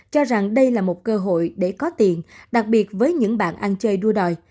cho rằng đây là một cơ hội để có tiền đặc biệt với những bạn ăn chơi đua đòi